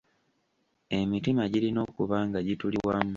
Emitima girina okuba nga gituli wamu.